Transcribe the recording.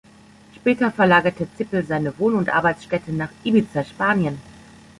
Später verlagerte Zippel seine Wohn- und Arbeitsstätte nach Ibiza, Spanien.